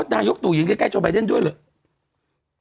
อ๋อนายกตุ๋ยินใกล้โชว์แบรนด์ด้วยเหรอ